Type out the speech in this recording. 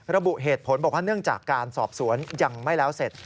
ระบุเหตุผลบอกว่าเนื่องจากการสอบสวนยังไม่แล้วเสร็จ